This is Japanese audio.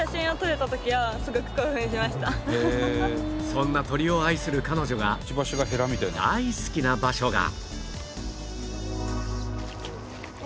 そんな鳥を愛する彼女が大好きな場所が